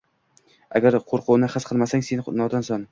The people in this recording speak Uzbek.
Agar qoʻrquvni his qilmasang, sen nodonsan.